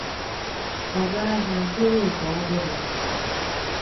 ọ gaa ahịa goro nke ọhụrụ.